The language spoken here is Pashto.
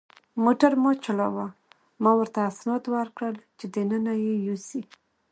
موټر ما چلاوه، ما ورته اسناد ورکړل چې دننه یې یوسي.